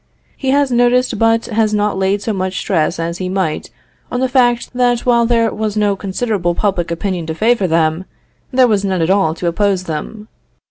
He has noticed but has not laid so much stress as he might on the fact that while there was no considerable public opinion to favor them, there was none at all to oppose them.